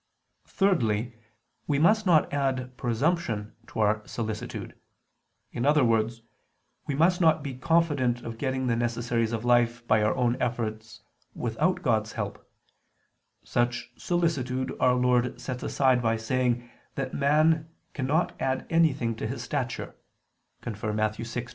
Thirdly, we must not add presumption to our solicitude; in other words, we must not be confident of getting the necessaries of life by our own efforts without God's help: such solicitude Our Lord sets aside by saying that a man cannot add anything to his stature (Matt. 6:27).